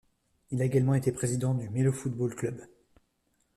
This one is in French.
Il a également été président du Melo Football Club.